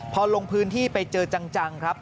พอลงพื้นที่ไปเจอจังครับ